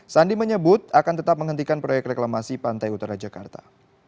sandi menyebut akan tetap menghentikan proyek reklamasi pantai utara jakarta